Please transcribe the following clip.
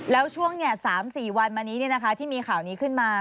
แล้วช่วง๓๔วันมานี้ที่มีข่าวนี้ขึ้นมา